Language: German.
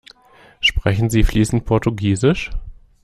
Sprechen Sie fließend Portugiesisch?